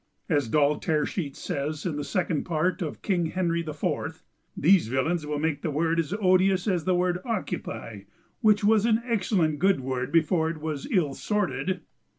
As Doll Tearsheet says in the second part of "King Henry IV": "These villains will make the word as odious as the word 'occupy'; which was an excellent good word before it was ill sorted."